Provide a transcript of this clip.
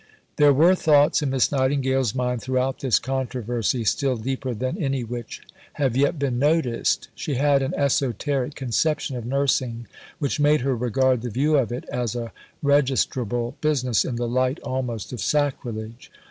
There were thoughts in Miss Nightingale's mind throughout this controversy still deeper than any which have yet been noticed. She had an esoteric conception of Nursing which made her regard the view of it as a registrable business in the light almost of sacrilege.